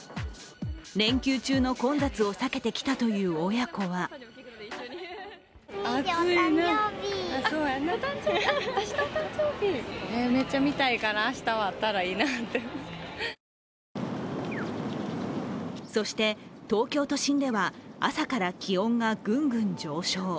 連休中の混雑を避けてきたという親子はそして東京都心では、朝から気温がぐんぐん上昇。